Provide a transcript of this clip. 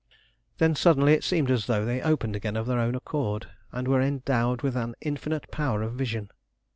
Then suddenly it seemed as though they opened again of their own accord, and were endowed with an infinite power of vision.